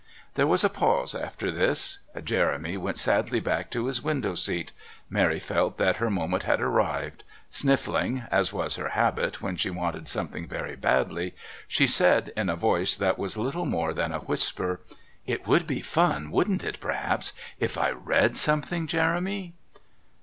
There was a pause after this. Jeremy went sadly back to his window seat. Mary felt that her moment had arrived. Sniffing, as was her habit when she wanted something very badly, she said in a voice that was little more than a whisper: "It would be fun, wouldn't it, perhaps if I read something, Jeremy?"